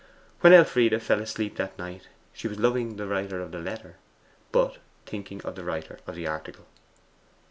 When Elfride fell asleep that night she was loving the writer of the letter, but thinking of the writer of that article.